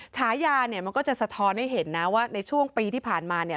ฉายาเนี่ยมันก็จะสะท้อนให้เห็นนะว่าในช่วงปีที่ผ่านมาเนี่ย